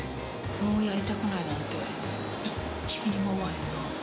もうやりたくないなんて１ミリも思わへんな。